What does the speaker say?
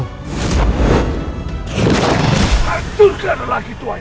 hanturkanlah lagi tuan itu